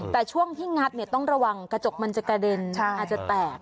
แต่ช่วงที่งัดต้องระวังกระจกมันจะกระเด็นอาจจะแตก